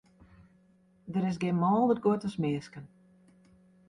Der is gjin mâlder guod as minsken.